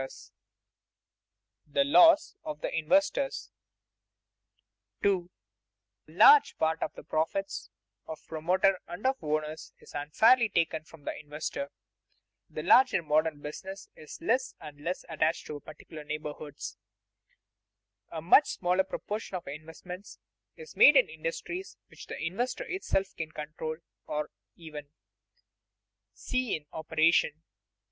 [Sidenote: The loss of the investors] 2. A large part of the profits of promoter and of owners is unfairly taken from the investor. The larger modern business is less and less attached to particular neighborhoods. A much smaller proportion of investments is made in industries which the investor himself can control or even see in operation.